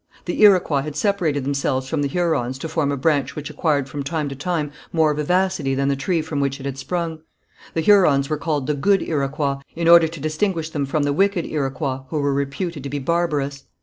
The Iroquois had separated themselves from the Hurons to form a branch which acquired with time more vivacity than the tree from which it had sprung. The Hurons were called the good Iroquois in order to distinguish them from the wicked Iroquois who were reputed to be barbarous.